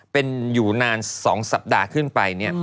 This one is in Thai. เป็นอยู่นาน๒สัปดาห์ขึ้นไป